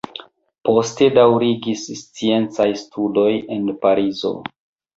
Poste daŭrigis sciencajn studojn en Parizo.